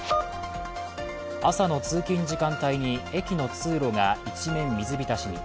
朝の通勤時間帯に駅の通路が一面、水浸しに。